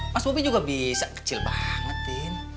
mas bopi juga bisa kecil banget tien